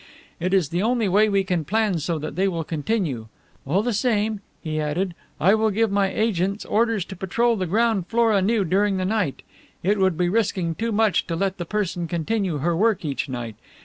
It is the only way we can plan so that they will continue. All the same,' he added, 'I will give my agents orders to patrol the ground floor anew during the night. I would be risking too much to let the person continue her work each night.